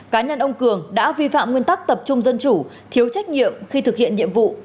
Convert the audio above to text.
cá nhân ông cường đã vi phạm nguyên tắc tập trung dân chủ thiếu trách nhiệm khi thực hiện nhiệm vụ